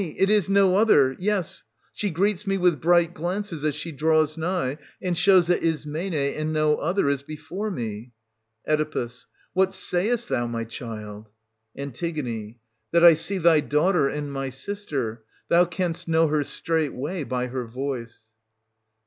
It is no other — yes !— she greets 320 me with bright glances as she draws nigh, and shows that Ismene, and no other, is before me. Oe. What sayest thou, my child } An. That I see thy daughter and my sister ;— thou canst know her straightway by her voice.